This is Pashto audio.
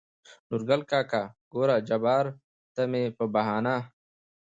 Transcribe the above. نورګل کاکا: ګوره جباره ته مې په بهانه